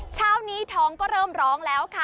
เช้านี้ท้องก็เริ่มร้องแล้วค่ะ